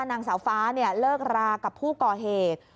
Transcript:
นางสาวฟ้าเลิกรากับผู้ก่อเหตุ